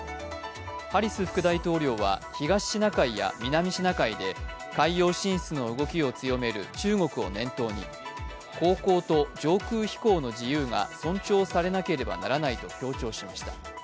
ハリス副大統領は東シナ海や南シナ海で海洋進出の動きを強める中国を念頭に、航行と上空飛行の自由が尊重されなければならないと強調しました。